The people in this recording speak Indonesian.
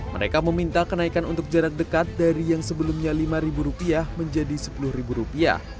mereka meminta kenaikan untuk jarak dekat dari yang sebelumnya lima rupiah menjadi sepuluh rupiah